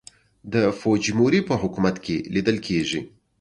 د فوجیموري په حکومت کې لیدل کېږي.